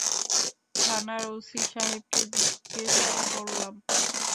থানার ওসি সাহেবকে জিজ্ঞেস করলাম।